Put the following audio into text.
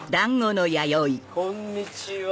こんにちは。